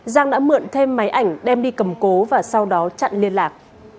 giang đã mượn thêm máy ảnh đem đi cầm cố và sau đó chặn liên lạc